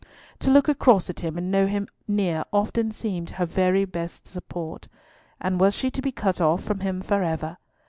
To look across at him and know him near often seemed her best support, and was she to be cut off from him for ever?